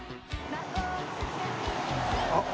あっ！